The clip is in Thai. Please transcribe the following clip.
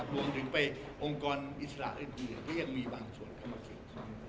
รวมถึงไปองค์กรอิสระอื่นที่ยังมีบางส่วนเข้ามาชิด